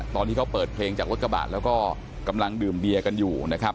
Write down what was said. ตอนที่เขาเปิดเพลงจากรถกระบะแล้วก็กำลังดื่มเบียร์กันอยู่นะครับ